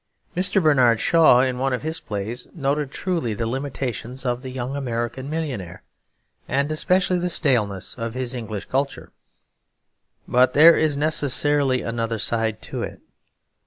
Mr. Bernard Shaw, in one of his plays, noted truly the limitations of the young American millionaire, and especially the staleness of his English culture; but there is necessarily another side to it.